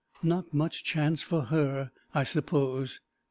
Not much chance for her, I suppose.